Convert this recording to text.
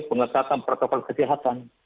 pengesatan protokol kesehatan